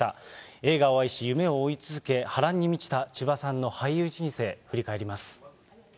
映画を愛し、夢を追い続け、波乱に満ちた千葉さんの俳優人生、振り返ります。